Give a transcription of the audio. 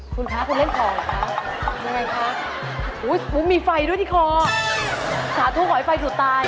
คุณคะคุณเล่นคอเหรอคะยังไงคะอุ้ยมีไฟด้วยที่คอสาธุขอให้ไฟจุดตาย